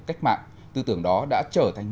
cách mạng tư tưởng đó đã trở thành